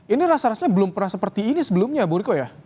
ini rasa rasanya belum pernah seperti ini sebelumnya bu riko ya